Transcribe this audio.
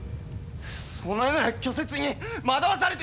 そのような虚説に惑わされてどうする！